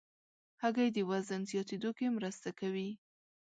هګۍ د وزن زیاتېدو کې مرسته کوي.